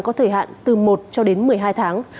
có thời hạn từ một cho đến một mươi hai tháng